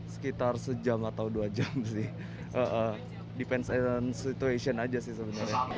sekitar sejam atau dua jam sih defense and situation aja sih sebenarnya